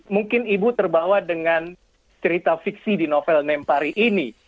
mungkin ibu terbawa dengan cerita fiksi di novel nempari ini